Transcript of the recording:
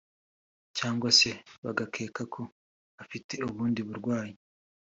cyangwa se bagakeka ko afite ubundi burwayi